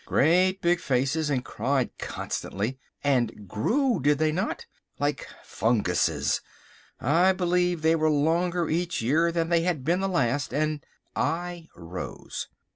Great big faces, and cried constantly! And grew, did they not? Like funguses! I believe they were longer each year than they had been the last, and—" I rose.